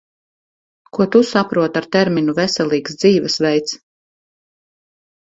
Ko Tu saproti ar terminu "veselīgs dzīvesveids"?